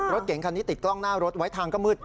รถเก่งคันนี้ติดกล้องหน้ารถไว้ทางก็มืด